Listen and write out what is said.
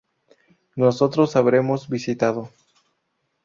Nosotros habremos visitado